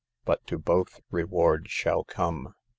But to both reward shall come.